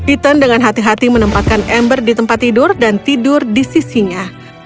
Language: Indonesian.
ethan dengan hati hati menempatkan ember di tempat tidur dan tidur di sisinya